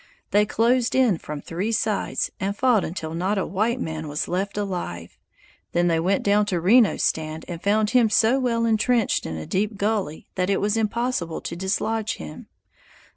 They closed in from three sides and fought until not a white man was left alive. Then they went down to Reno's stand and found him so well intrenched in a deep gully that it was impossible to dislodge him.